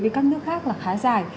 với các nước khác là khá dài